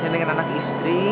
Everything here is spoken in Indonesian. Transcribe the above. dengan anak istri